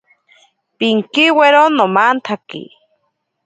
Pinkiwiro nomantsaki.